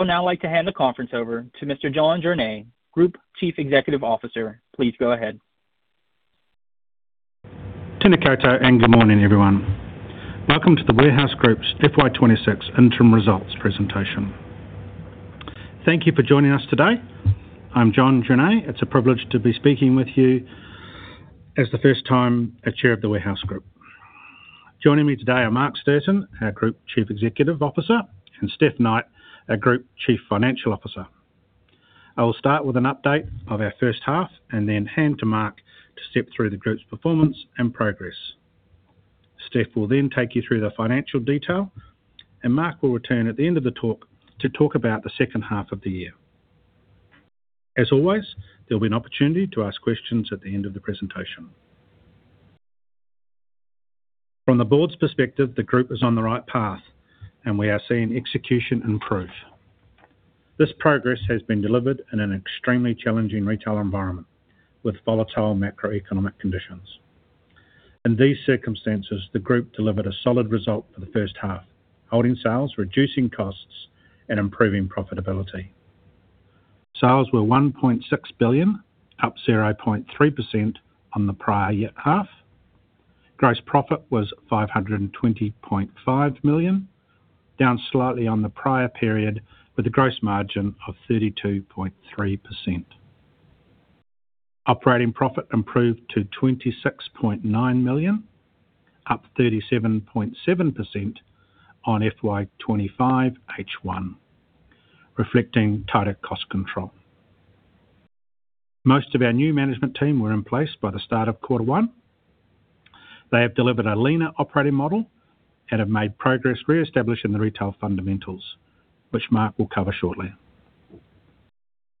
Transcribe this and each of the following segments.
I would now like to hand the conference over to Mr. John Journee, Group Chief Executive Officer. Please go ahead. Tena koutou and good morning, everyone. Welcome to The Warehouse Group's FY 2026 interim results presentation. Thank you for joining us today. I'm John Journee. It's a privilege to be speaking with you for the first time as Chair of The Warehouse Group. Joining me today are Mark Stirton, our Group Chief Executive Officer, and Stef Knight, our Group Chief Financial Officer. I will start with an update of our first half and then hand to Mark to step through the group's performance and progress. Stef will then take you through the financial detail, and Mark will return at the end of the talk to talk about the second half of the year. As always, there'll be an opportunity to ask questions at the end of the presentation. From the board's perspective, the group is on the right path, and we are seeing execution improve. This progress has been delivered in an extremely challenging retail environment with volatile macroeconomic conditions. In these circumstances, the group delivered a solid result for the first half, holding sales, reducing costs, and improving profitability. Sales were 1.6 billion, up 0.3% on the prior year half. Gross profit was 520.5 million, down slightly on the prior period with a gross margin of 32.3%. Operating profit improved to 26.9 million, up 37.7% on FY 2025 H1, reflecting tighter cost control. Most of our new management team were in place by the start of quarter one. They have delivered a leaner operating model and have made progress reestablishing the retail fundamentals, which Mark will cover shortly.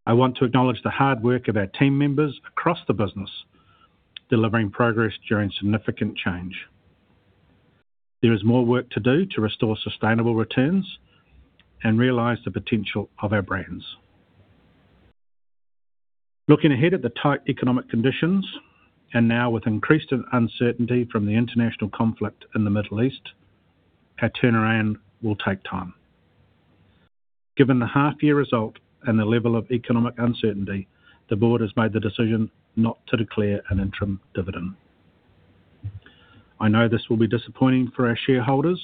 I want to acknowledge the hard work of our team members across the business, delivering progress during significant change. There is more work to do to restore sustainable returns and realize the potential of our brands. Looking ahead at the tight economic conditions and now with increased uncertainty from the international conflict in the Middle East, our turnaround will take time. Given the half year result and the level of economic uncertainty, the board has made the decision not to declare an interim dividend. I know this will be disappointing for our shareholders.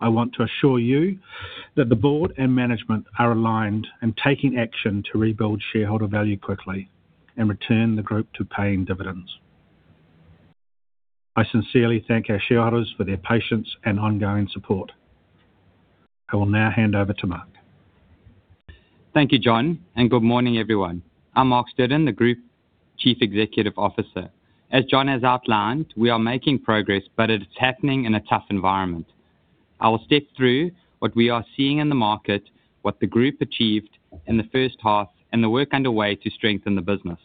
I want to assure you that the board and management are aligned and taking action to rebuild shareholder value quickly and return the group to paying dividends. I sincerely thank our shareholders for their patience and ongoing support. I will now hand over to Mark. Thank you, John, and good morning, everyone. I'm Mark Stirton, the Group Chief Executive Officer. As John has outlined, we are making progress, but it's happening in a tough environment. I will step through what we are seeing in the market, what the group achieved in the first half, and the work underway to strengthen the business.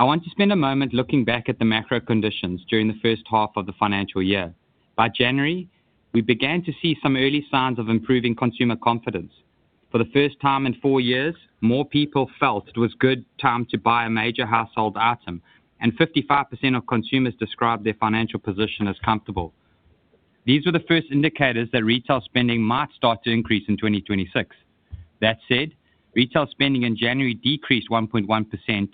I want to spend a moment looking back at the macro conditions during the first half of the financial year. By January, we began to see some early signs of improving consumer confidence. For the first time in four years, more people felt it was good time to buy a major household item, and 55% of consumers described their financial position as comfortable. These were the first indicators that retail spending might start to increase in 2026. That said, retail spending in January decreased 1.1%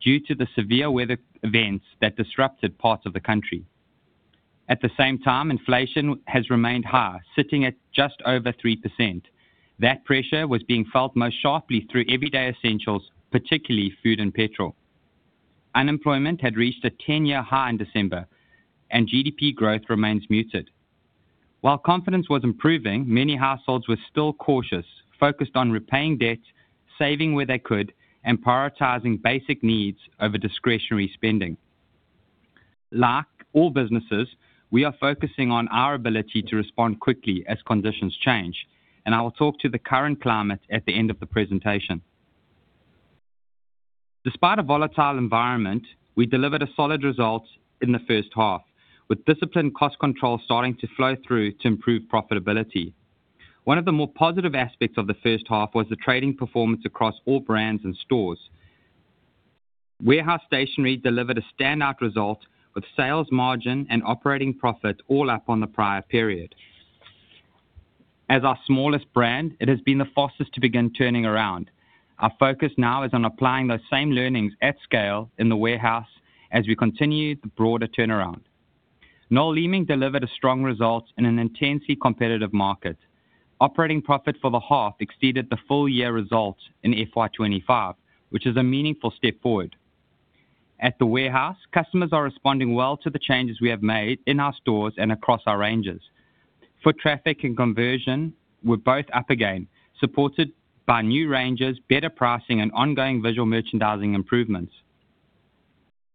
due to the severe weather events that disrupted parts of the country. At the same time, inflation has remained high, sitting at just over 3%. That pressure was being felt most sharply through everyday essentials, particularly food and petrol. Unemployment had reached a 10-year high in December, and GDP growth remains muted. While confidence was improving, many households were still cautious, focused on repaying debt, saving where they could, and prioritizing basic needs over discretionary spending. Like all businesses, we are focusing on our ability to respond quickly as conditions change, and I will talk to the current climate at the end of the presentation. Despite a volatile environment, we delivered a solid result in the first half, with disciplined cost control starting to flow through to improve profitability. One of the more positive aspects of the first half was the trading performance across all brands and stores. Warehouse Stationery delivered a standout result with sales margin and operating profit all up on the prior period. As our smallest brand, it has been the fastest to begin turning around. Our focus now is on applying those same learnings at scale in The Warehouse as we continue the broader turnaround. Noel Leeming delivered a strong result in an intensely competitive market. Operating profit for the half exceeded the full year result in FY 2025, which is a meaningful step forward. At The Warehouse, customers are responding well to the changes we have made in our stores and across our ranges. Foot traffic and conversion were both up again, supported by new ranges, better pricing, and ongoing visual merchandising improvements.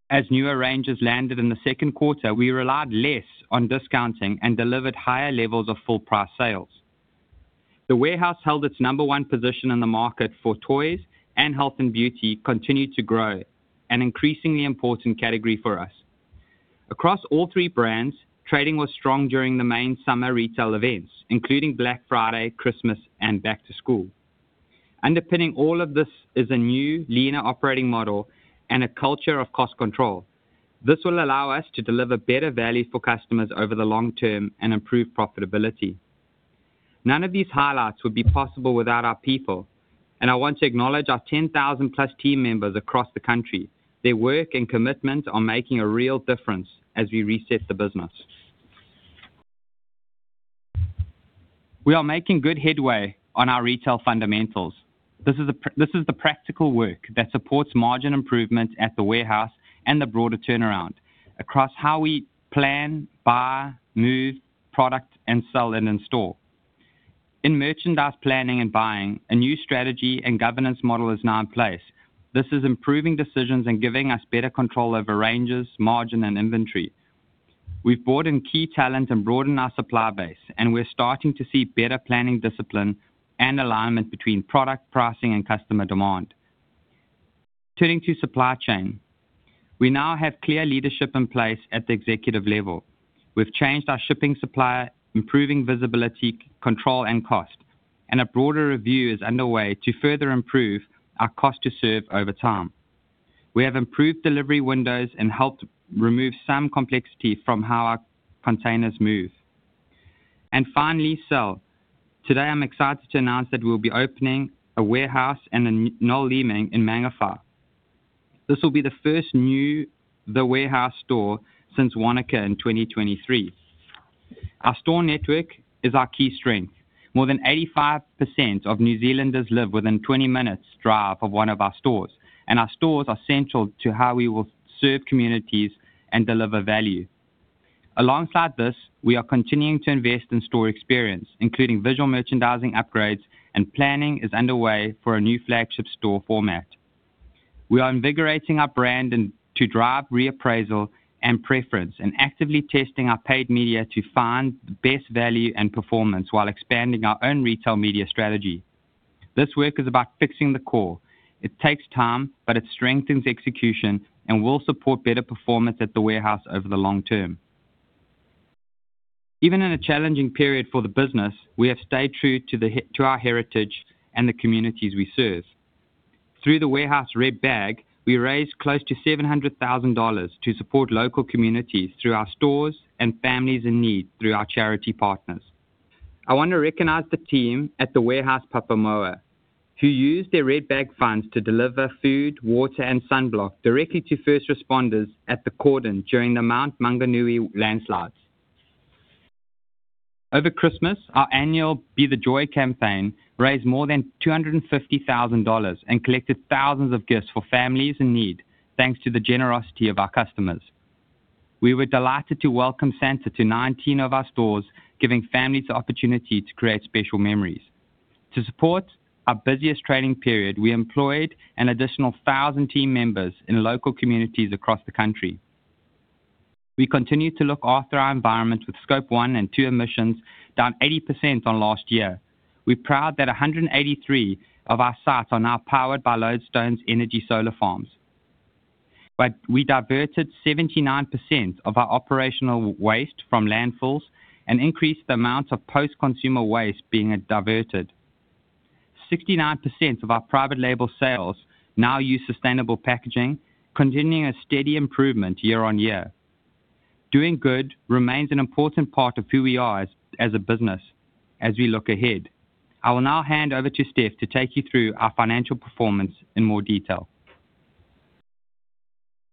As newer ranges landed in the second quarter, we relied less on discounting and delivered higher levels of full price sales. The Warehouse held its number one position in the market for toys and health and beauty continued to grow, an increasingly important category for us. Across all three brands, trading was strong during the main summer retail events, including Black Friday, Christmas, and back to school. Underpinning all of this is a new leaner operating model and a culture of cost control. This will allow us to deliver better value for customers over the long term and improve profitability. None of these highlights would be possible without our people, and I want to acknowledge our 10,000+ team members across the country. Their work and commitment are making a real difference as we reset the business. We are making good headway on our retail fundamentals. This is the practical work that supports margin improvement at The Warehouse and the broader turnaround across how we plan, buy, move product, and sell it in store. In merchandise planning and buying, a new strategy and governance model is now in place. This is improving decisions and giving us better control over ranges, margin, and inventory. We've brought in key talent and broadened our supply base, and we're starting to see better planning discipline and alignment between product pricing and customer demand. Turning to supply chain. We now have clear leadership in place at the executive level. We've changed our shipping supplier, improving visibility, control and cost, and a broader review is underway to further improve our cost to serve over time. We have improved delivery windows and helped remove some complexity from how our containers move. Finally, sell. Today, I'm excited to announce that we'll be opening a Warehouse and a Noel Leeming in Mangawhai. This will be the first new The Warehouse store since Wanaka in 2023. Our store network is our key strength. More than 85% of New Zealanders live within 20 minutes drive of one of our stores, and our stores are central to how we will serve communities and deliver value. Alongside this, we are continuing to invest in store experience, including visual merchandising upgrades and planning is underway for a new flagship store format. We are invigorating our brand and to drive reappraisal and preference, and actively testing our paid media to find the best value and performance while expanding our own retail media strategy. This work is about fixing the core. It takes time, but it strengthens execution and will support better performance at The Warehouse over the long term. Even in a challenging period for the business, we have stayed true to the heart of our heritage and the communities we serve. Through The Warehouse Red Bag, we raised close to 700,000 dollars to support local communities through our stores and families in need through our charity partners. I want to recognize the team at The Warehouse Papamoa, who used their Red Bag funds to deliver food, water, and sunblock directly to first responders at the cordon during the Mount Maunganui landslides. Over Christmas, our annual Be the Joy campaign raised more than 250,000 dollars and collected thousands of gifts for families in need, thanks to the generosity of our customers. We were delighted to welcome Santa to 19 of our stores, giving families the opportunity to create special memories. To support our busiest trading period, we employed an additional 1,000 team members in local communities across the country. We continue to look after our environment with scope one and two emissions down 80% on last year. We're proud that 183 of our sites are now powered by Lodestone Energy's solar farms. We diverted 79% of our operational waste from landfills and increased the amount of post-consumer waste being diverted. 69% of our private label sales now use sustainable packaging, continuing a steady improvement year-on-year. Doing good remains an important part of who we are as a business as we look ahead. I will now hand over to Stef to take you through our financial performance in more detail.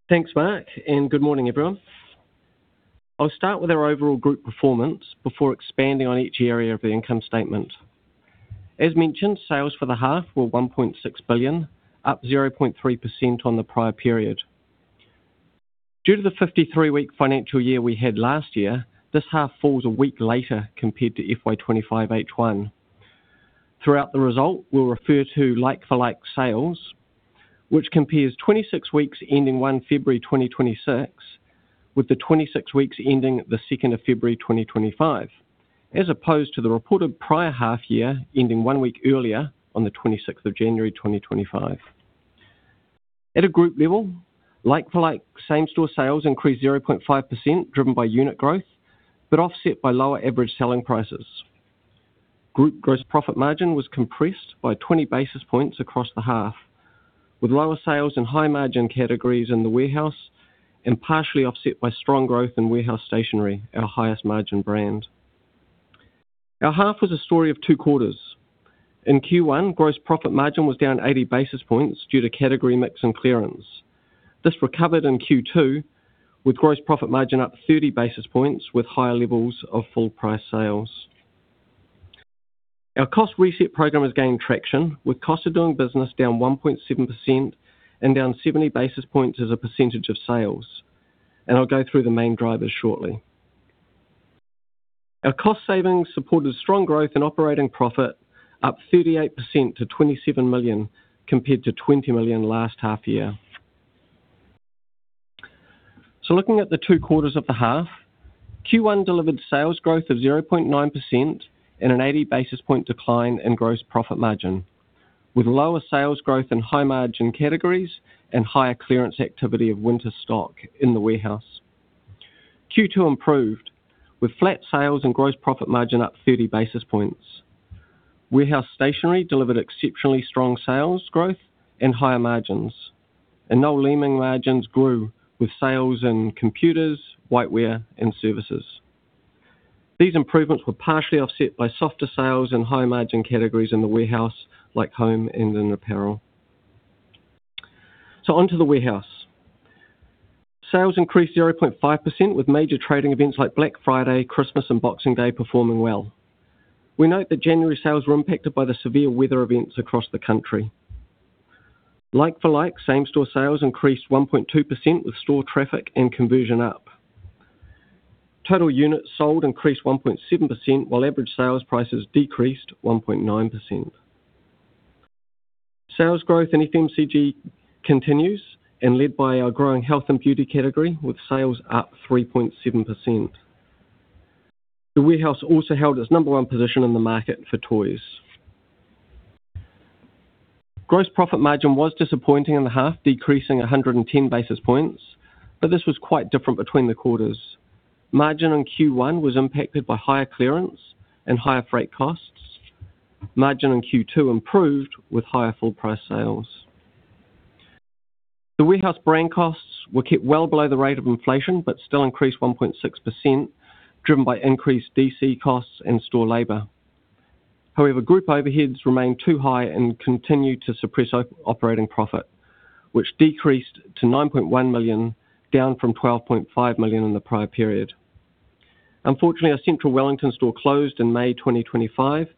Thanks, Mark, and good morning, everyone. I'll start with our overall group performance before expanding on each area of the income statement. As mentioned, sales for the half were 1.6 billion, up 0.3% on the prior period. Due to the 53-week financial year we had last year, this half falls a week later compared to FY 2025 H1. Throughout the result, we'll refer to like-for-like sales, which compares 26 weeks ending 1 February 2026, with the 26 weeks ending 2nd February 2025, as opposed to the reported prior half year ending one week earlier on 26th January 2025. At a group level, like-for-like same-store sales increased 0.5%, driven by unit growth but offset by lower average selling prices. Group gross profit margin was compressed by 20 basis points across the half, with lower sales in high margin categories in The Warehouse and partially offset by strong growth in Warehouse Stationery, our highest margin brand. Our half was a story of two quarters. In Q1, gross profit margin was down 80 basis points due to category mix and clearance. This recovered in Q2, with gross profit margin up 30 basis points with higher levels of full price sales. Our cost reset program is gaining traction, with cost of doing business down 1.7% and down 70 basis points as a percentage of sales. I'll go through the main drivers shortly. Our cost savings supported strong growth in operating profit, up 38% to 27 million, compared to 20 million last half year. Looking at the two quarters of the half, Q1 delivered sales growth of 0.9% and an 80 basis point decline in gross profit margin, with lower sales growth in high margin categories and higher clearance activity of winter stock in the Warehouse. Q2 improved with flat sales and gross profit margin up 30 basis points. Warehouse Stationery delivered exceptionally strong sales growth and higher margins. Noel Leeming margins grew with sales in computers, whiteware, and services. These improvements were partially offset by softer sales in high-margin categories in the Warehouse like home and apparel. Onto the Warehouse. Sales increased 0.5% with major trading events like Black Friday, Christmas, and Boxing Day performing well. We note that January sales were impacted by the severe weather events across the country. Like-for-like, same-store sales increased 1.2% with store traffic and conversion up. Total units sold increased 1.7%, while average sales prices decreased 1.9%. Sales growth in FMCG continues and led by our growing health and beauty category, with sales up 3.7%. The Warehouse also held its number one position in the market for toys. Gross profit margin was disappointing in the half, decreasing 110 basis points, but this was quite different between the quarters. Margin in Q1 was impacted by higher clearance and higher freight costs. Margin in Q2 improved with higher full price sales. The Warehouse brand costs were kept well below the rate of inflation, but still increased 1.6%, driven by increased DC costs and store labor. However, group overheads remain too high and continue to suppress operating profit, which decreased to 9.1 million, down from 12.5 million in the prior period. Unfortunately, our Central Wellington store closed in May 2025,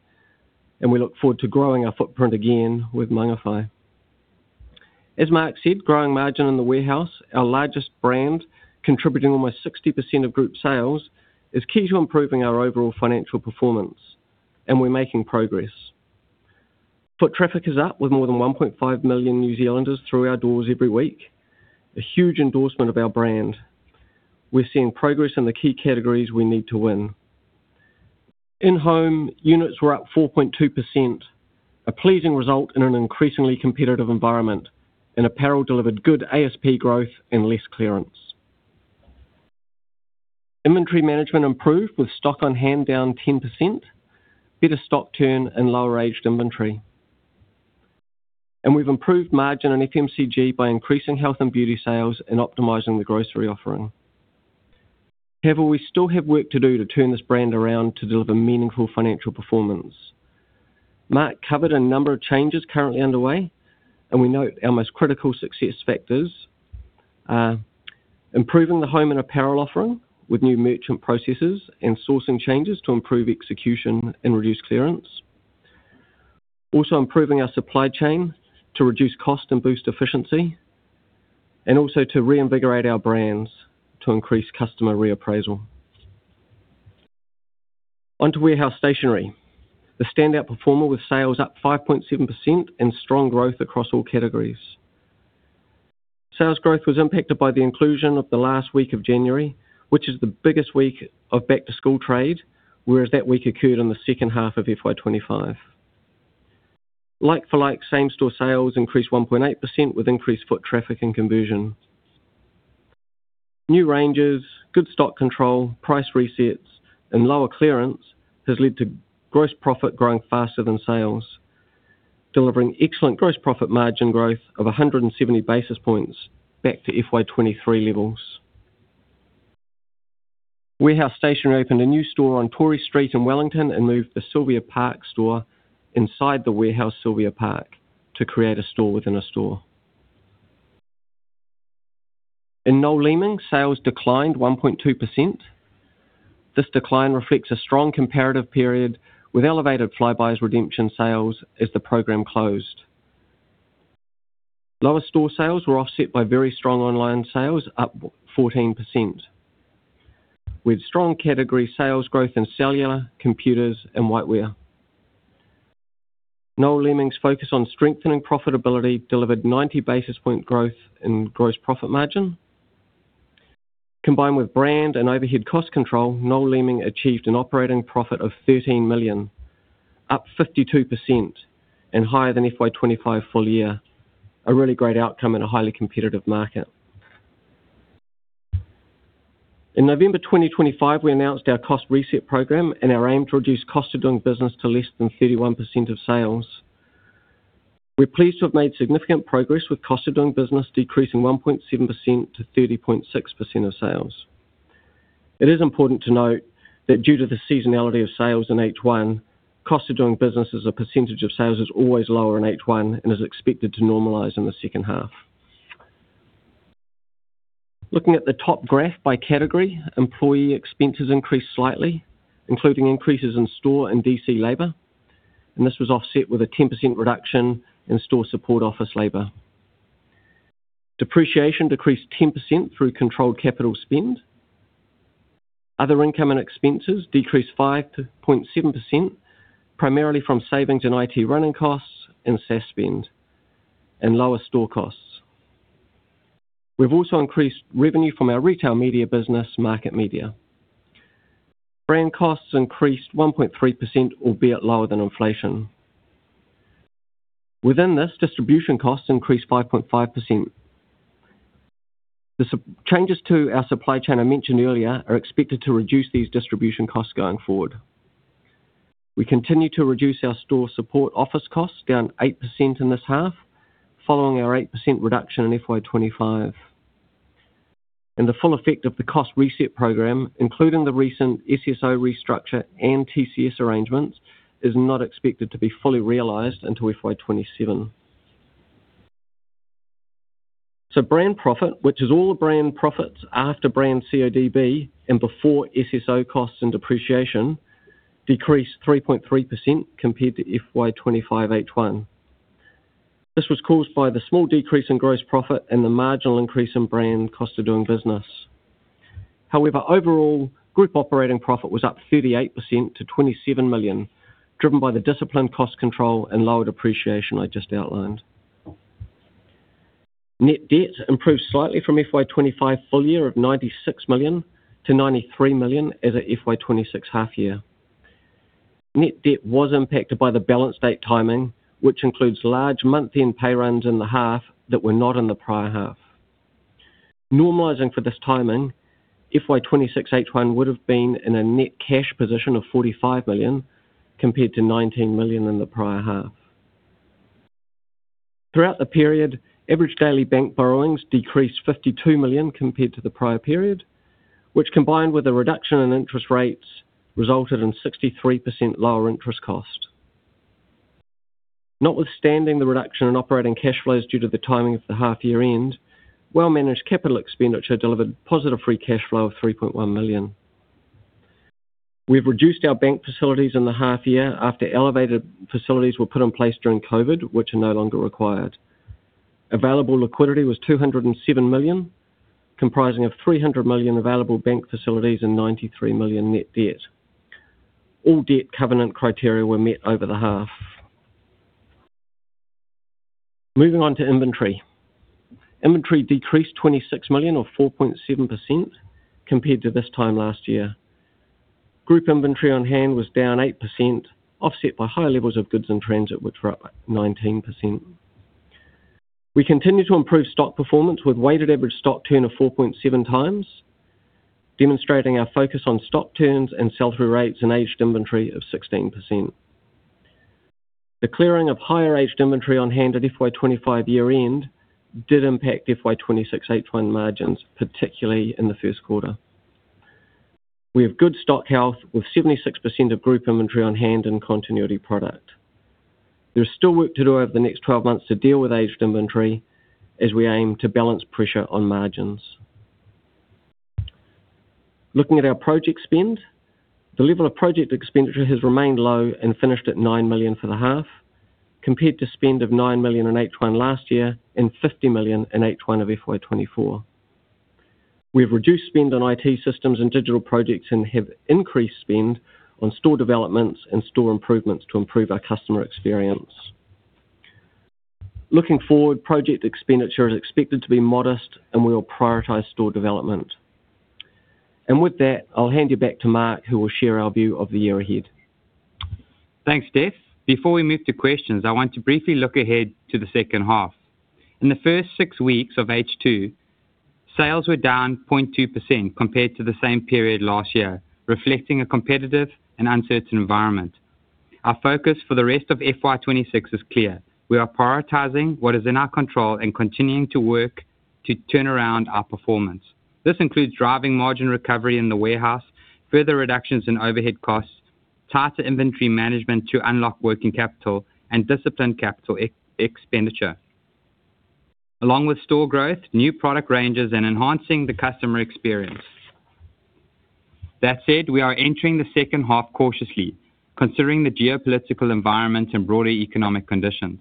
and we look forward to growing our footprint again with Mangawhai. As Mark said, growing margin in The Warehouse, our largest brand, contributing almost 60% of group sales, is key to improving our overall financial performance, and we're making progress. Foot traffic is up with more than 1.5 million New Zealanders through our doors every week, a huge endorsement of our brand. We're seeing progress in the key categories we need to win. In home, units were up 4.2%, a pleasing result in an increasingly competitive environment, and apparel delivered good ASP growth and less clearance. Inventory management improved with stock on hand down 10%, better stock turn, and lower aged inventory. We've improved margin on FMCG by increasing health and beauty sales and optimizing the grocery offering. However, we still have work to do to turn this brand around to deliver meaningful financial performance. Mark covered a number of changes currently underway, and we note our most critical success factors are improving the home and apparel offering with new merchant processes and sourcing changes to improve execution and reduce clearance. Also improving our supply chain to reduce cost and boost efficiency, and also to reinvigorate our brands to increase customer reappraisal. Onto Warehouse Stationery, the standout performer with sales up 5.7% and strong growth across all categories. Sales growth was impacted by the inclusion of the last week of January, which is the biggest week of back-to-school trade, whereas that week occurred in the second half of FY 2025. Like-for-like, same-store sales increased 1.8% with increased foot traffic and conversion. New ranges, good stock control, price resets, and lower clearance has led to gross profit growing faster than sales, delivering excellent gross profit margin growth of 170 basis points back to FY 2023 levels. Warehouse Stationery opened a new store on Tory Street in Wellington and moved the Sylvia Park store inside the Warehouse Sylvia Park to create a store within a store. In Noel Leeming, sales declined 1.2%. This decline reflects a strong comparative period with elevated Flybuys redemption sales as the program closed. Lower store sales were offset by very strong online sales, up 14%, with strong category sales growth in cellular, computers, and whiteware. Noel Leeming's focus on strengthening profitability delivered 90 basis point growth in gross profit margin. Combined with brand and overhead cost control, Noel Leeming achieved an operating profit of 13 million, up 52% and higher than FY 2025 full year. A really great outcome in a highly competitive market. In November 2025, we announced our cost reset program and our aim to reduce cost of doing business to less than 31% of sales. We're pleased to have made significant progress with cost of doing business decreasing 1.7% to 30.6% of sales. It is important to note that due to the seasonality of sales in H1, cost of doing business as a percentage of sales is always lower in H1 and is expected to normalize in the second half. Looking at the top graph by category, employee expenses increased slightly, including increases in store and DC labor, and this was offset with a 10% reduction in store support office labor. Depreciation decreased 10% through controlled capital spend. Other income and expenses decreased 5.7%, primarily from savings in IT running costs and SaaS spend and lower store costs. We've also increased revenue from our retail media business, Market Media. Brand costs increased 1.3%, albeit lower than inflation. Within this, distribution costs increased 5.5%. The step-changes to our supply chain I mentioned earlier are expected to reduce these distribution costs going forward. We continue to reduce our store support office costs, down 8% in this half, following our 8% reduction in FY 2025. The full effect of the cost reset program, including the recent SSO restructure and TCS arrangements, is not expected to be fully realized until FY 2027. Brand profit, which is all the brand profits after brand CODB and before SSO costs and depreciation, decreased 3.3% compared to FY 2025 H1. This was caused by the small decrease in gross profit and the marginal increase in brand cost of doing business. However, overall group operating profit was up 38% to 27 million, driven by the disciplined cost control and lowered depreciation I just outlined. Net debt improved slightly from FY 2025 full year of 96 million to 93 million as of FY 2026 half year. Net debt was impacted by the balance date timing, which includes large month end pay runs in the half that were not in the prior half. Normalizing for this timing, FY 2026 H1 would have been in a net cash position of 45 million compared to 19 million in the prior half. Throughout the period, average daily bank borrowings decreased 52 million compared to the prior period, which combined with a reduction in interest rates resulted in 63% lower interest cost. Notwithstanding the reduction in operating cash flows due to the timing of the half year end, well-managed capital expenditure delivered positive free cash flow of 3.1 million. We've reduced our bank facilities in the half year after elevated facilities were put in place during COVID, which are no longer required. Available liquidity was 207 million, comprising of 300 million available bank facilities and 93 million net debt. All debt covenant criteria were met over the half. Moving on to inventory. Inventory decreased 26 million or 4.7% compared to this time last year. Group inventory on hand was down 8%, offset by higher levels of goods in transit, which were up 19%. We continue to improve stock performance with weighted average stock turn of 4.7 times, demonstrating our focus on stock turns and sell through rates in aged inventory of 16%. The clearing of higher aged inventory on hand at FY 2025 year end did impact FY 2026 H1 margins, particularly in the first quarter. We have good stock health with 76% of group inventory on hand and continuity product. There is still work to do over the next 12 months to deal with aged inventory as we aim to balance pressure on margins. Looking at our project spend. The level of project expenditure has remained low and finished at 9 million for the half, compared to spend of 9 million in H1 last year and 50 million in H1 of FY 2024. We've reduced spend on IT systems and digital projects and have increased spend on store developments and store improvements to improve our customer experience. Looking forward, project expenditure is expected to be modest and we will prioritize store development. With that, I'll hand you back to Mark, who will share our view of the year ahead. Thanks, Stef. Before we move to questions, I want to briefly look ahead to the second half. In the first six weeks of H2, sales were down 0.2% compared to the same period last year, reflecting a competitive and uncertain environment. Our focus for the rest of FY 2026 is clear. We are prioritizing what is in our control and continuing to work to turn around our performance. This includes driving margin recovery in The Warehouse, further reductions in overhead costs, tighter inventory management to unlock working capital and disciplined capital expenditure, along with store growth, new product ranges and enhancing the customer experience. That said, we are entering the second half cautiously, considering the geopolitical environment and broader economic conditions.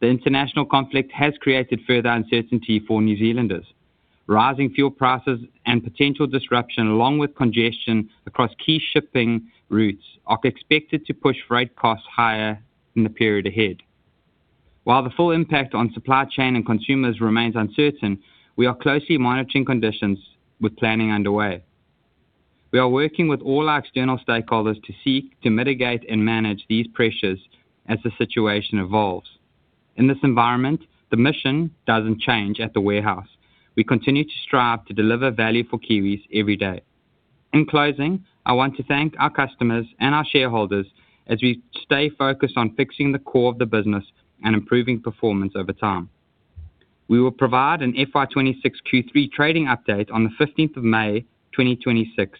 The international conflict has created further uncertainty for New Zealanders. Rising fuel prices and potential disruption, along with congestion across key shipping routes, are expected to push freight costs higher in the period ahead. While the full impact on supply chain and consumers remains uncertain, we are closely monitoring conditions with planning underway. We are working with all our external stakeholders to seek to mitigate and manage these pressures as the situation evolves. In this environment, the mission doesn't change at The Warehouse. We continue to strive to deliver value for Kiwis every day. In closing, I want to thank our customers and our shareholders as we stay focused on fixing the core of the business and improving performance over time. We will provide an FY 2026 Q3 trading update on the 15th of May 2026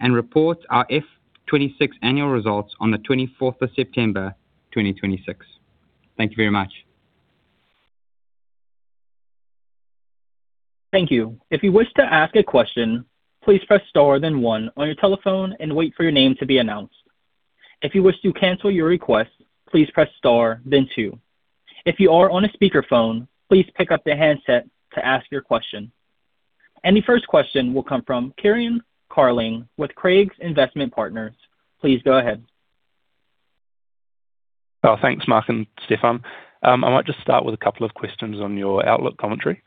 and report our FY 2026 annual results on the 24th of September 2026. Thank you very much. Thank you. If you wish to ask a question, please press star then one on your telephone and wait for your name to be announced. If you wish to cancel your request, please press star then two. If you are on a speakerphone, please pick up the headset to ask your question. The first question will come from Kieran Carling with Craigs Investment Partners. Please go ahead. Oh, thanks Mark and Stefan. I might just start with a couple of questions on your outlook commentary.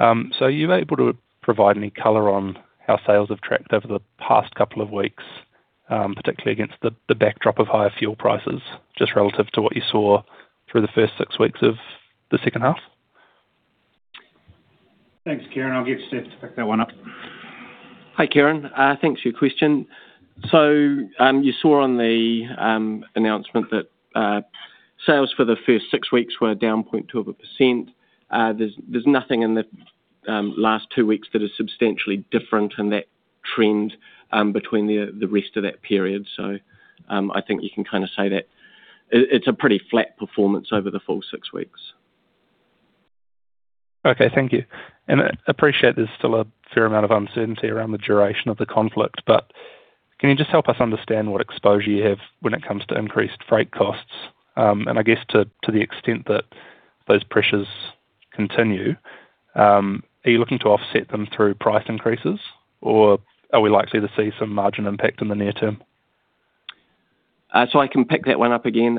Are you able to provide any color on how sales have tracked over the past couple of weeks? Particularly against the backdrop of higher fuel prices, just relative to what you saw through the first six weeks of the second half. Thanks, Kieran. I'll get Stef to pick that one up. Hi, Kieran. Thanks for your question. You saw on the announcement that sales for the first six weeks were down 0.2%. There's nothing in the last two weeks that is substantially different in that trend between the rest of that period. I think you can kinda say that it's a pretty flat performance over the full six weeks. Okay, thank you. I appreciate there's still a fair amount of uncertainty around the duration of the conflict, but can you just help us understand what exposure you have when it comes to increased freight costs? I guess to the extent that those pressures continue, are you looking to offset them through price increases, or are we likely to see some margin impact in the near term? I can pick that one up again.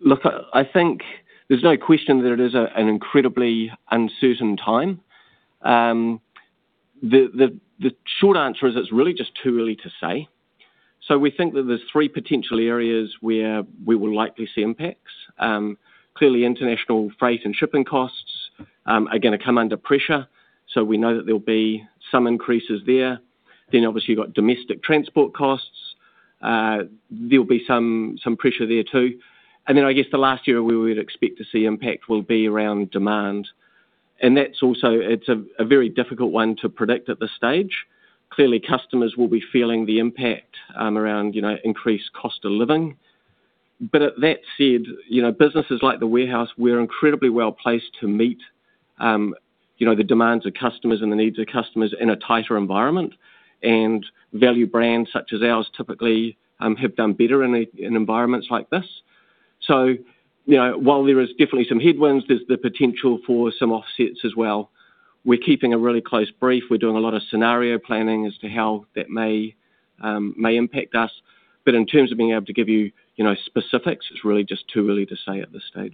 Look, I think there's no question that it is an incredibly uncertain time. The short answer is, it's really just too early to say. We think that there's three potential areas where we will likely see impacts. Clearly, international freight and shipping costs are gonna come under pressure, so we know that there'll be some increases there. Obviously, you've got domestic transport costs. There'll be some pressure there too. I guess the last area we would expect to see impact will be around demand. That's also a very difficult one to predict at this stage. Clearly, customers will be feeling the impact around, you know, increased cost of living. At that said, you know, businesses like The Warehouse, we're incredibly well-placed to meet, you know, the demands of customers and the needs of customers in a tighter environment. Value brands such as ours typically have done better in environments like this. You know, while there is definitely some headwinds, there's the potential for some offsets as well. We're keeping a really close eye. We're doing a lot of scenario planning as to how that may impact us. In terms of being able to give you know, specifics, it's really just too early to say at this stage.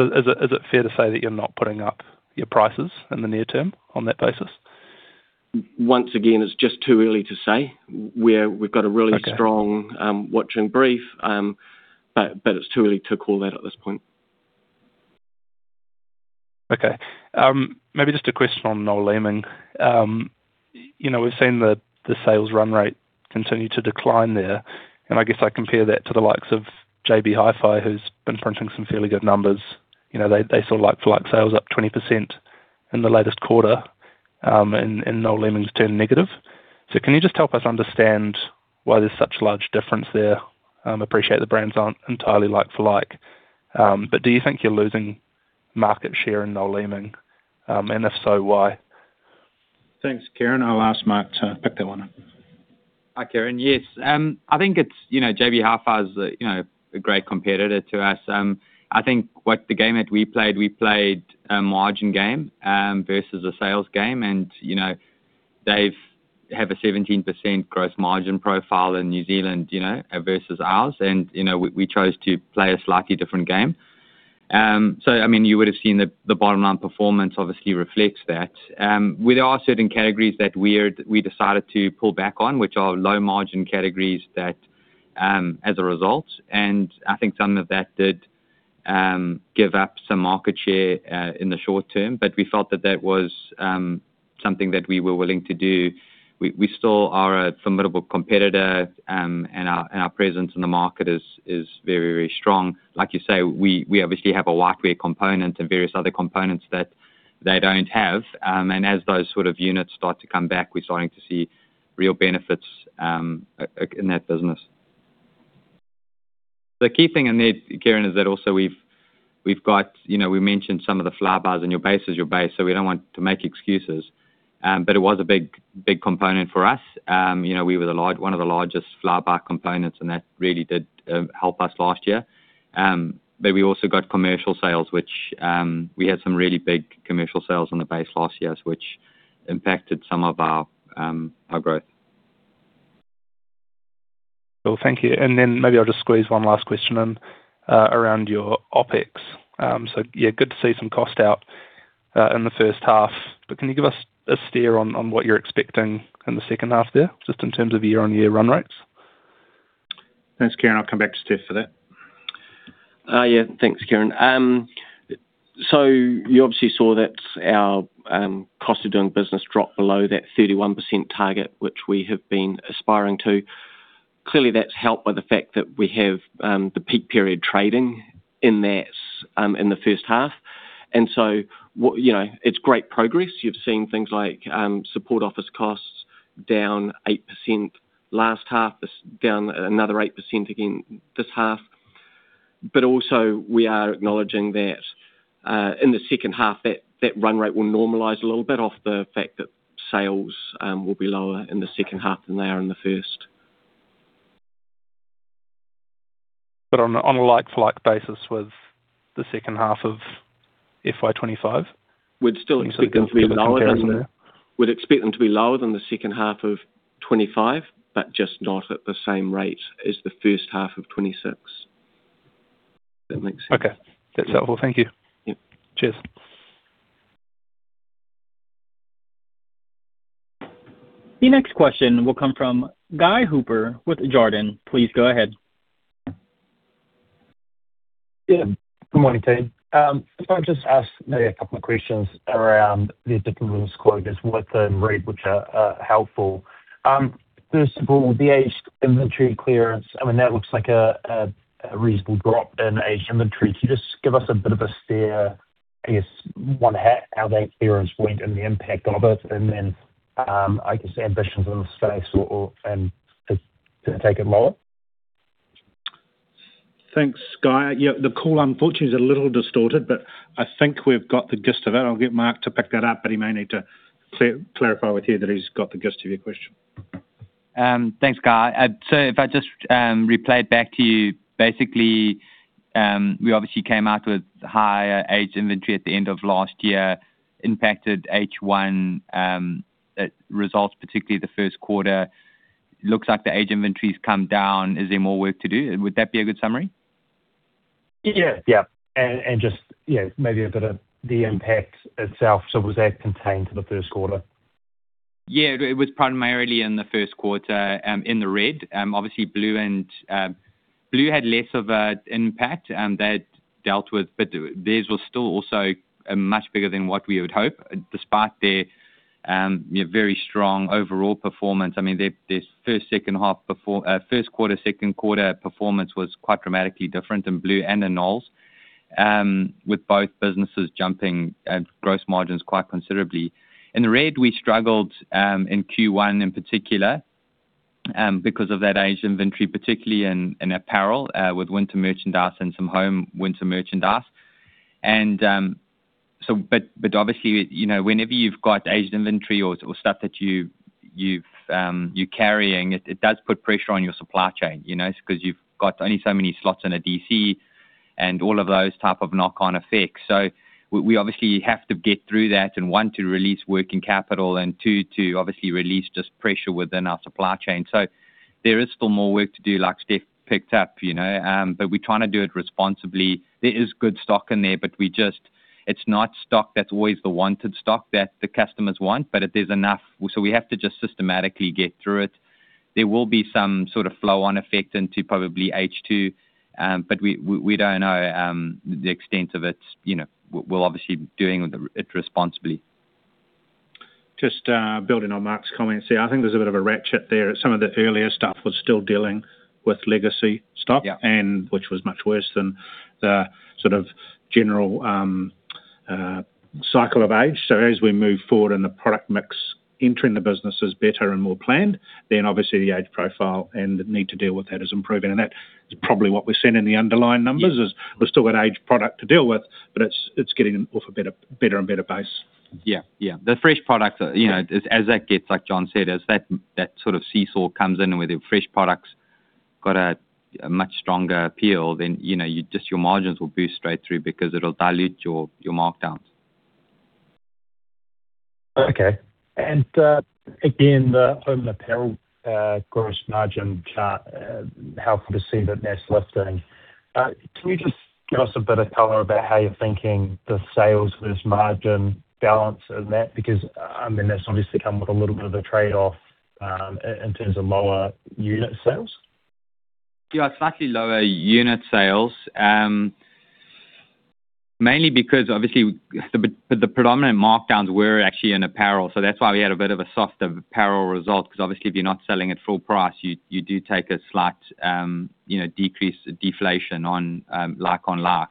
Is it fair to say that you're not putting up your prices in the near term on that basis? Once again, it's just too early to say. Okay. We've got a really strong watching brief. It's too early to call that at this point. Okay. Maybe just a question on Noel Leeming. You know, we've seen the sales run rate continue to decline there, and I guess I compare that to the likes of JB Hi-Fi, who's been printing some fairly good numbers. You know, they saw like-for-like sales up 20% in the latest quarter, and Noel Leeming's turned negative. Can you just help us understand why there's such large difference there? Appreciate the brands aren't entirely like-for-like, but do you think you're losing market share in Noel Leeming? And if so, why? Thanks, Kieran. I'll ask Mark to pick that one up. Hi, Kieran. Yes, I think it's, you know, JB Hi-Fi's a, you know, a great competitor to us. I think what the game that we played, we played a margin game versus a sales game. You know, they have a 17% gross margin profile in New Zealand, you know, versus ours. You know, we chose to play a slightly different game. I mean, you would have seen the bottom line performance obviously reflects that. There are certain categories that we decided to pull back on, which are low-margin categories that, as a result, and I think some of that did give up some market share in the short term. We felt that that was something that we were willing to do. We still are a formidable competitor, and our presence in the market is very strong. Like you say, we obviously have a whiteware component and various other components that they don't have. As those sort of units start to come back, we're starting to see real benefits in that business. The key thing in there, Kieran, is that also we've got. You know, we mentioned some of the Flybuys and your base is your base, so we don't want to make excuses. It was a big component for us. You know, we were one of the largest Flybuys components, and that really did help us last year. We also got commercial sales, which we had some really big commercial sales on the base last year, which impacted some of our growth. Well, thank you. Maybe I'll just squeeze one last question in, around your OpEx. Yeah, good to see some cost out in the first half. Can you give us a steer on what you're expecting in the second half there, just in terms of year-on-year run rates? Thanks, Kieran. I'll come back to Stef for that. Yeah. Thanks, Kieran. You obviously saw that our cost of doing business dropped below that 31% target, which we have been aspiring to. Clearly, that's helped by the fact that we have the peak period trading in that in the first half. You know, it's great progress. You've seen things like support office costs down 8% last half, this down another 8% again this half. Also, we are acknowledging that in the second half, that run rate will normalize a little bit off the fact that sales will be lower in the second half than they are in the first. On a like-for-like basis with the second half of FY 2025 We'd still expect them to be lower than the second half of 2025, but just not at the same rate as the first half of 2026. That makes sense. Okay. That's helpful. Thank you. Yep. Cheers. The next question will come from Guy Hooper with Jarden. Please go ahead. Yeah. Good morning, team. I'll just ask maybe a couple of questions around the difficulties quoted with the rate which are helpful. First of all, the aged inventory clearance. I mean, that looks like a reasonable drop in aged inventory. Can you just give us a bit of a steer, I guess, on how that clearance went and the impact of it, and then, I guess ambitions in the space or to take it lower? Thanks, Guy. Yeah, the call unfortunately is a little distorted, but I think we've got the gist of it. I'll get Mark to pick that up, but he may need to clarify with you that he's got the gist of your question. Thanks, Guy. If I just replay it back to you. Basically, we obviously came out with higher aged inventory at the end of last year, impacted H1 results, particularly the first quarter. Looks like the aged inventory's come down. Is there more work to do? Would that be a good summary? Yeah. Yeah. Just, yeah, maybe a bit of the impact itself. Was that contained to the first quarter? Yeah. It was primarily in the first quarter in Red. Obviously Blue had less of an impact that dealt with. Theirs was still also much bigger than what we would hope, despite their you know, very strong overall performance. I mean, their first, second half first quarter, second quarter performance was quite dramatically different in Blue and in Noel Leeming. With both businesses jumping gross margins quite considerably. In Red, we struggled in Q1 in particular because of that aged inventory, particularly in apparel with winter merchandise and some home winter merchandise. Obviously, you know, whenever you've got aged inventory or stuff that you're carrying, it does put pressure on your supply chain, you know. Cause you've got only so many slots in a DC and all of those type of knock-on effects. We obviously have to get through that and, one, to release working capital and, two, to obviously release just pressure within our supply chain. There is still more work to do, like Stef picked up, you know, but we're trying to do it responsibly. There is good stock in there, but it's not stock that's always the wanted stock that the customers want. We have to just systematically get through it. There will be some sort of flow-on effect into probably H2, but we don't know the extent of it, you know. We're obviously doing it responsibly. Just, building on Mark's comments. Yeah, I think there's a bit of a ratchet there. Some of the earlier stuff was still dealing with legacy stock. Yeah. Which was much worse than the sort of general cycle of age. As we move forward and the product mix entering the business is better and more planned, then obviously the age profile and the need to deal with that is improving. That is probably what we're seeing in the underlying numbers- Yeah. We've still got aged product to deal with, but it's getting off a better and better base. Yeah. The fresh product, you know, as that gets, like John said, as that sort of seesaw comes in with the fresh products, got a much stronger appeal. Then, you know, you just, your margins will boost straight through because it'll dilute your markdowns. Okay. Again, the home apparel gross margin chart helpful to see that that's lifting. Can you just give us a bit of color about how you're thinking the sales versus margin balance in that? Because, I mean, that's obviously come with a little bit of a trade-off in terms of lower unit sales. Yeah, slightly lower unit sales. Mainly because obviously the predominant markdowns were actually in apparel, so that's why we had a bit of a soft apparel result because obviously if you're not selling at full price, you do take a slight, you know, deflation on like-for-like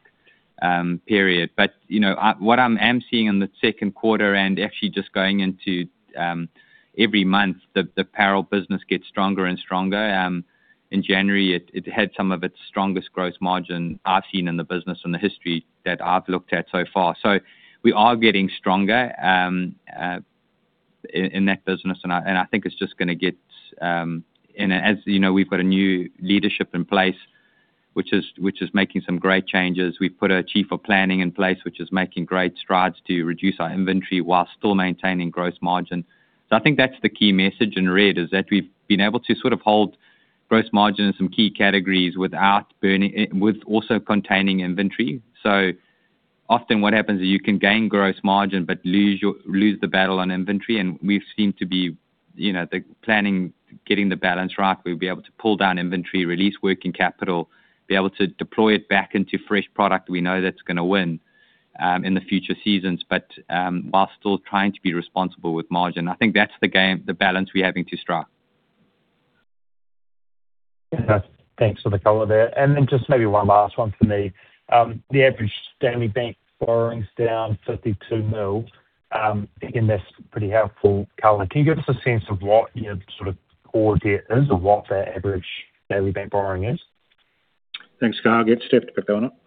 period. You know, what I'm seeing in the second quarter and actually just going into every month, the apparel business gets stronger and stronger. In January, it had some of its strongest gross margin I've seen in the business in the history that I've looked at so far. So we are getting stronger in that business. I think it's just gonna get and as you know, we've got a new leadership in place which is making some great changes. We've put a chief of planning in place, which is making great strides to reduce our inventory while still maintaining gross margin. I think that's the key message in red, is that we've been able to sort of hold gross margin in some key categories without burning, with also containing inventory. Often what happens is you can gain gross margin but lose the battle on inventory. We've seemed to be, you know, the planning, getting the balance right. We'll be able to pull down inventory, release working capital, be able to deploy it back into fresh product we know that's gonna win in the future seasons. While still trying to be responsible with margin. I think that's the game, the balance we're having to strike. Okay. Thanks for the color there. Just maybe one last one for me. The average daily bank borrowing's down 52 million. Again, that's pretty helpful color. Can you give us a sense of what your sort of core debt is or what that average daily bank borrowing is? Thanks, Guy. I'll get Stef to pick that one up.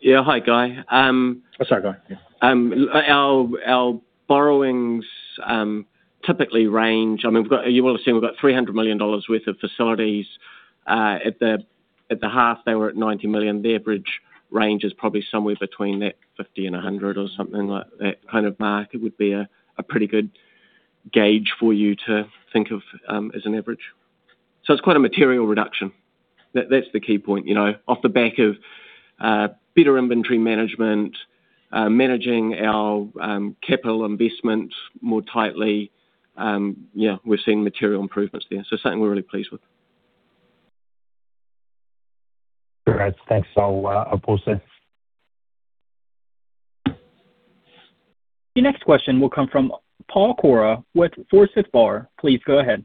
Yeah. Hi, Guy. Sorry, Guy. Yeah. Our borrowings typically range. I mean, you would assume we've got 300 million dollars worth of facilities. At the half, they were at 90 million. The average range is probably somewhere between that 50 and 100 or something like that kind of mark. It would be a pretty good. Gauge for you to think of as an average. It's quite a material reduction. That's the key point. You know, off the back of better inventory management, managing our capital investment more tightly. Yeah, we're seeing material improvements there. Something we're really pleased with. Great. Thanks. I'll pause there. The next question will come from Paul Koraua with Forsyth Barr. Please go ahead.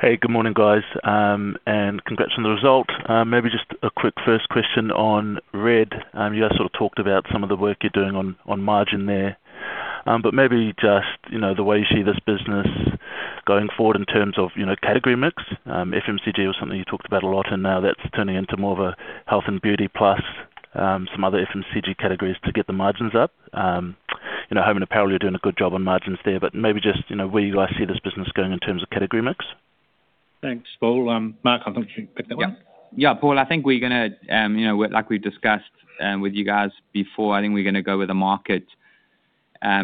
Hey, good morning, guys, and congrats on the result. Maybe just a quick first question on Red. You guys sort of talked about some of the work you're doing on margin there. But maybe just, you know, the way you see this business going forward in terms of, you know, category mix. FMCG was something you talked about a lot, and now that's turning into more of a health and beauty plus some other FMCG categories to get the margins up. You know, home and apparel, you're doing a good job on margins there, but maybe just, you know, where you guys see this business going in terms of category mix. Thanks, Paul. Mark, I'll let you pick that one. Yeah. Yeah, Paul, I think we're gonna, you know, like we discussed with you guys before, go with the market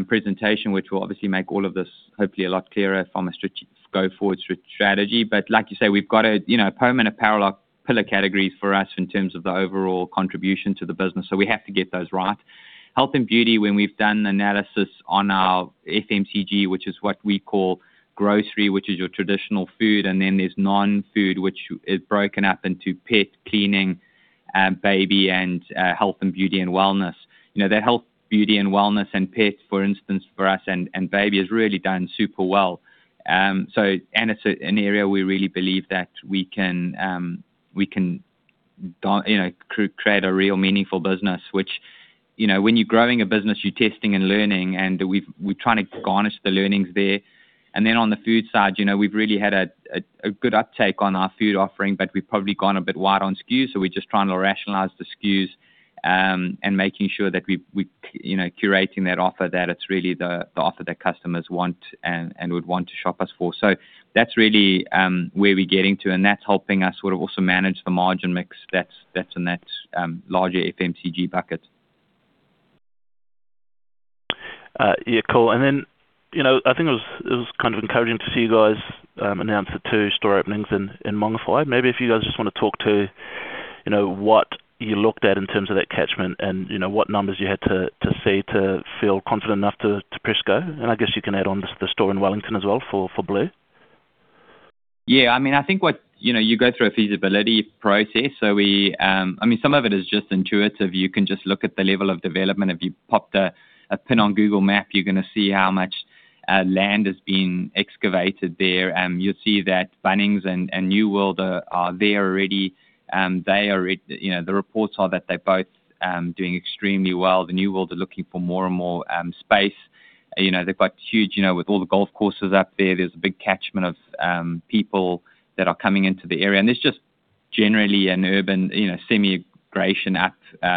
presentation, which will obviously make all of this hopefully a lot clearer from a strategic go-forward strategy. Like you say, we've got, you know, home and apparel are pillar categories for us in terms of the overall contribution to the business, so we have to get those right. Health and beauty, when we've done analysis on our FMCG, which is what we call grocery, which is your traditional food, and then there's non-food, which is broken up into pet, cleaning, baby and health and beauty and wellness. You know, the health, beauty and wellness and pets, for instance, for us and baby has really done super well. It's an area we really believe that we can do. You know, create a real meaningful business, which, you know, when you're growing a business, you're testing and learning, and we're trying to garner the learnings there. Then on the food side, you know, we've really had a good uptake on our food offering, but we've probably gone a bit wide on SKUs, so we're just trying to rationalize the SKUs, and making sure that we're curating that offer that it's really the offer that customers want and would want to shop us for. That's really where we're getting to, and that's helping us sort of also manage the margin mix that's in that larger FMCG bucket. Yeah, cool. You know, I think it was kind of encouraging to see you guys announce the two store openings in Mangawhai. Maybe if you guys just wanna talk to, you know, what you looked at in terms of that catchment and, you know, what numbers you had to see to feel confident enough to press go? I guess you can add on the store in Wellington as well for Blue? Yeah. I mean, I think what you know, you go through a feasibility process. So we I mean, some of it is just intuitive. You can just look at the level of development. If you pop a pin on Google Maps, you're gonna see how much land is being excavated there, you'll see that Bunnings and New World are there already. They are. You know, the reports are that they're both doing extremely well. The New World are looking for more and more space. You know, they're quite huge. You know, with all the golf courses up there's a big catchment of people that are coming into the area. There's just generally an urban you know, semi-migration up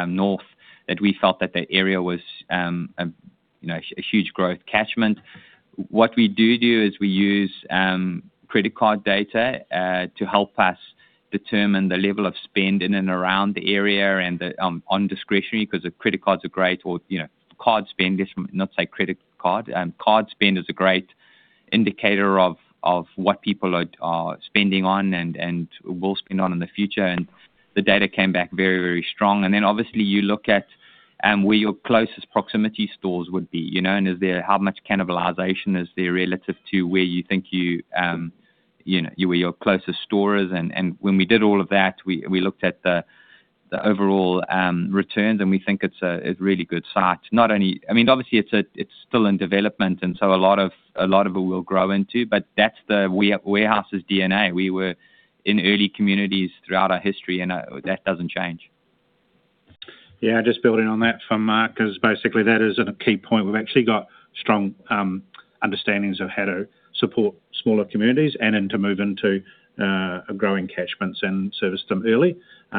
north that we felt that the area was a you know, a huge growth catchment. What we do is we use credit card data to help us determine the level of spend in and around the area and the on discretionary 'cause the credit cards are great or, you know, card spend is a great indicator of what people are spending on and will spend on in the future. The data came back very strong. Obviously you look at where your closest proximity stores would be, you know, and is there how much cannibalization is there relative to where you think you know, where your closest store is. When we did all of that, we looked at the overall returns, and we think it's a really good site. Not only, I mean, obviously it's still in development, and so a lot of it will grow into, but that's the Warehouse's DNA. We were in early communities throughout our history, and that doesn't change. Yeah. Just building on that from Mark, 'cause basically that is a key point. We've actually got strong understandings of how to support smaller communities and then to move into growing catchments and service them early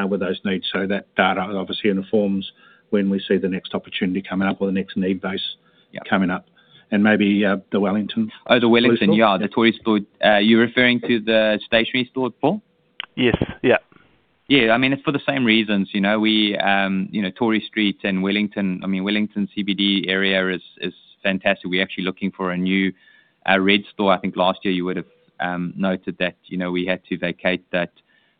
with those needs. That data obviously informs when we see the next opportunity coming up or the next need base- Yeah. coming up. Maybe, the Wellington store. Oh, the Wellington. Yeah, the Tory Street. You're referring to the stationery store, Paul? Yes. Yeah. Yeah. I mean, it's for the same reasons. You know, we, you know, Tory Street and Wellington, I mean, Wellington CBD area is fantastic. We're actually looking for a new Red store. I think last year you would've noted that, you know, we had to vacate that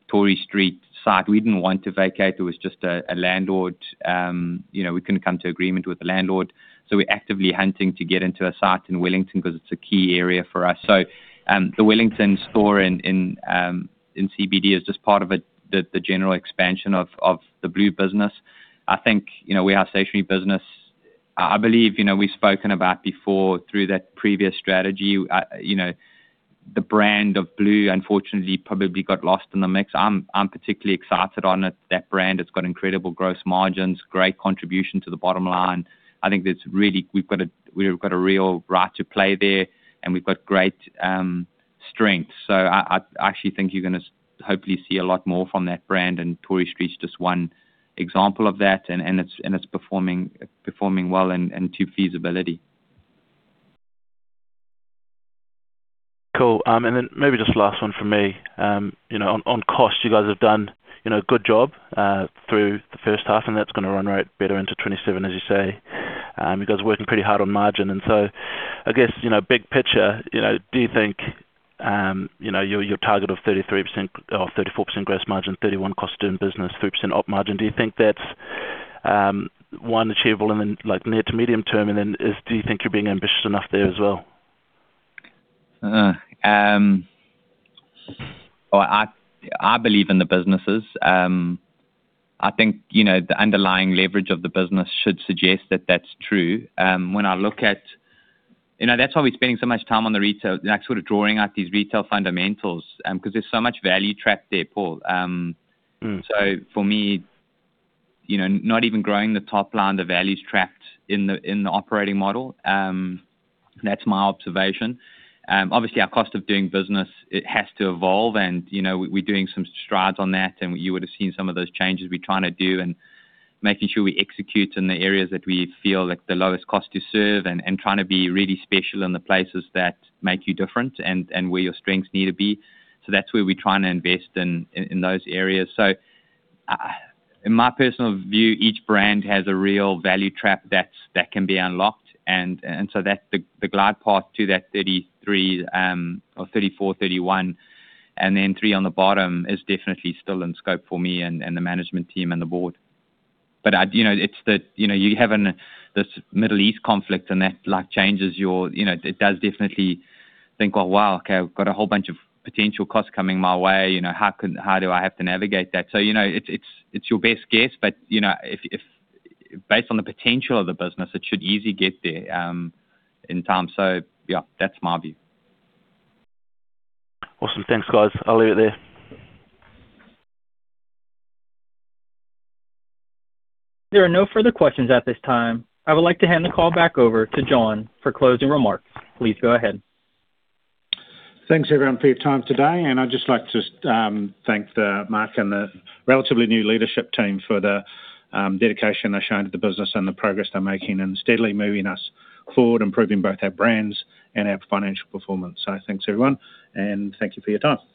Tory Street site. We didn't want to vacate. It was just a landlord, you know, we couldn't come to agreement with the landlord. We're actively hunting to get into a site in Wellington 'cause it's a key area for us. The Wellington store in CBD is just part of the general expansion of the Blue business. I think, you know, we are a stationery business. I believe, you know, we've spoken about before through that previous strategy, you know, the brand of Blue unfortunately probably got lost in the mix. I'm particularly excited on it. That brand has got incredible gross margins, great contribution to the bottom line. I think we've got a real right to play there, and we've got great strength. I actually think you're gonna hopefully see a lot more from that brand, and Tory Street's just one example of that. It's performing well and to feasibility. Cool. Maybe just last one from me. You know, on cost, you guys have done, you know, a good job through the first half, that's gonna run rate better into 2027, as you say. You guys are working pretty hard on margin. I guess, you know, big picture, you know, do you think, you know, your target of 33% or 34% gross margin, 31% cost in business, 3% op margin, do you think that's achievable in the like, near to medium term? Do you think you're being ambitious enough there as well? Well, I believe in the businesses. I think, you know, the underlying leverage of the business should suggest that that's true. You know, that's why we're spending so much time on the retail. Like, sort of drawing out these retail fundamentals, 'cause there's so much value trapped there, Paul. For me, you know, not even growing the top line, the value's trapped in the operating model. That's my observation. Obviously our cost of doing business, it has to evolve and, you know, we're doing some strides on that and you would've seen some of those changes we're trying to do and making sure we execute in the areas that we feel like the lowest cost to serve and trying to be really special in the places that make you different and where your strengths need to be. That's where we're trying to invest in those areas. In my personal view, each brand has a real value trap that's that can be unlocked and so that's the glide path to that 33% or 34%, 31% and then 3% on the bottom is definitely still in scope for me and the management team and the board. You know, it's the you know you have this Middle East conflict and that like changes your you know. It does definitely make you think, "Oh, wow, okay, I've got a whole bunch of potential costs coming my way, you know, how do I have to navigate that?" You know, it's your best guess. You know, if based on the potential of the business, it should easily get there in time. Yeah, that's my view. Awesome. Thanks, guys. I'll leave it there. There are no further questions at this time. I would like to hand the call back over to John for closing remarks. Please go ahead. Thanks everyone for your time today, and I'd just like to thank Mark and the relatively new leadership team for the dedication they're showing to the business and the progress they're making and steadily moving us forward, improving both our brands and our financial performance. Thanks, everyone, and thank you for your time.